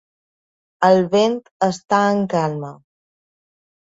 El vent està en calma.